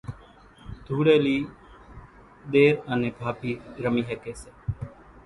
ڌوڙيلي ۮير انين ڀاڀي رمي ۿڳي سي